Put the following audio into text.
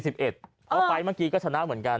พอไปเมื่อกี้ก็ชนะเหมือนกัน